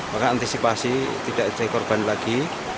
maka antisipasi tidak terkorban lagi